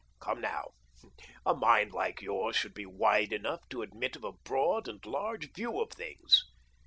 Come now, a mind like yours should be wide enough to admit of a broad and large view of things.